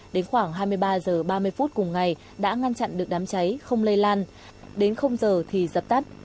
đến khoảng hai mươi ba h ba mươi phút cùng ngày đã ngăn chặn được đám cháy không lây lan đến giờ thì dập tắt